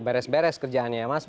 beres beres kerjaannya ya mas